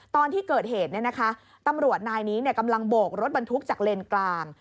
ตอนที่เกิดเหตุตำรวจนายนี้กำลังโบกรถบรรทุกจากเลนกลาง